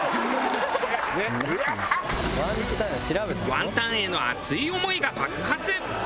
ワンタンへの熱い思いが爆発。